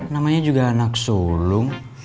namanya juga anak solung